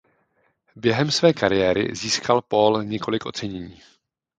Během své kariéry získal Paul několik ocenění.